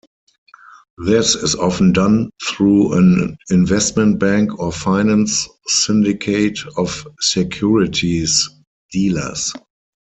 This is often done through an investment bank or finance syndicate of securities dealers.